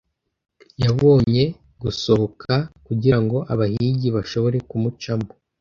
yabonye gusohoka kugirango abahigi bashobore kumucamo--